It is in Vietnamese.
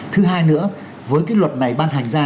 thứ hai nữa với cái luật này ban hành ra